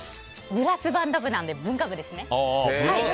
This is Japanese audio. ブラスバンド部なので文化部ですね。